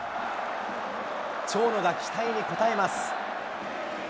長野が期待に応えます。